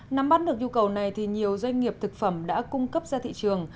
nắm bắt được nhu cầu này thì nhiều doanh nghiệp thực phẩm đã cung cấp ra thị trường